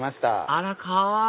あらかわいい！